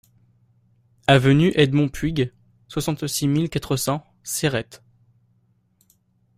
Avenue Edmond Puig, soixante-six mille quatre cents Céret